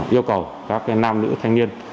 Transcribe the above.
yêu cầu các nam nữ thanh niên